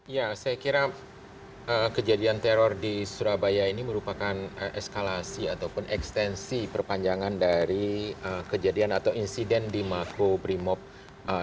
ya saya kira kejadian teror di surabaya ini merupakan eskalasi ataupun ekstensi perpanjangan dari kejadian atau insiden di mako brimob